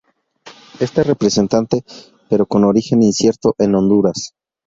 Está presente, pero con origen incierto, en Honduras.